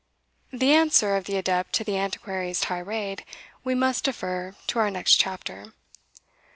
The answer of the adept to the Antiquary's tirade we must defer to our next CHAPTER.